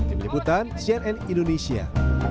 keputusan cnn indonesia